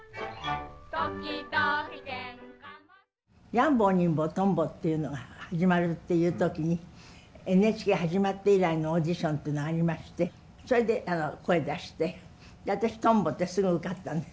「やん坊にん坊とん坊」っていうのが始まるっていう時にＮＨＫ始まって以来のオーディションというのがありましてそれで声出して私とん坊ですぐ受かったんです。